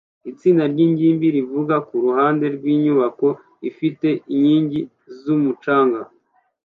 Itsinda ryingimbi rivuga kuruhande rwinyubako ifite inkingi zumucanga